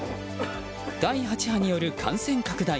第８波による感染拡大。